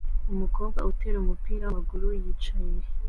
Umukobwa utera umupira wamaguru yicaye